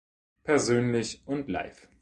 Persönlich und live.